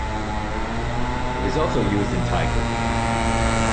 It is also used in Thai cooking.